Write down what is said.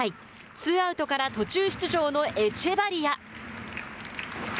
ツーアウトから途中出場のエチェバリア。